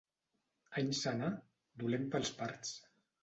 Any senar, dolent pels parts.